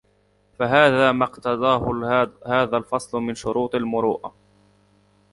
فَهَذَا مَا اقْتَضَاهُ هَذَا الْفَصْلُ مِنْ شُرُوطِ الْمُرُوءَةِ